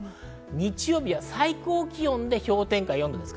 日曜日は最高気温で氷点下４度です。